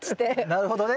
なるほどね。